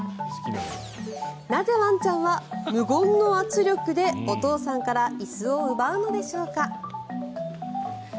なぜワンちゃんは無言の圧力でお父さんから椅子を奪うのでしょうか。